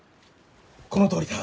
このとおりだ。